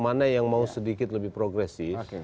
mana yang mau sedikit lebih progresif